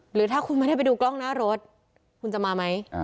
หรือถ้าคุณไม่ได้ไปดูกล้องหน้ารถคุณจะมาไหม